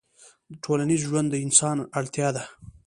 ټولنيز ژوند د انسان اړتيا ده